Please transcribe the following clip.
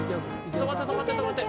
止まった止まった止まった。